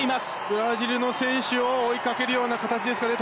ブラジルの選手を追いかけるような形ですかね。